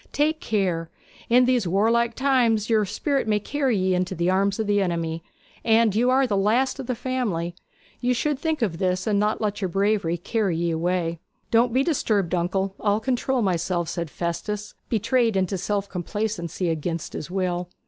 'Take care! In these warlike times your spirit may carry ye into the arms of the enemy; and you are the last of the family. You should think of this, and not let your bravery carry ye away.' 'Don't be disturbed, uncle; I'll control myself,' said Festus, betrayed into self complacency against his will.